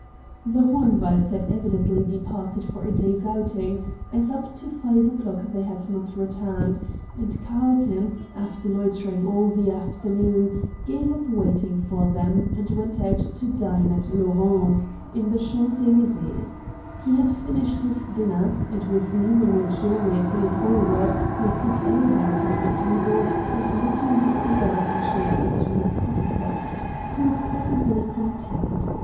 The Hohenwalds had evidently departed for a day's outing, as up to five o'clock they had not returned; and Carlton, after loitering all the afternoon, gave up waiting for them, and went out to dine at Laurent's, in the Champs Elysees. He had finished his dinner, and was leaning luxuriously forward, with his elbows on the table, and knocking the cigar ashes into his coffee cup. He was pleasantly content.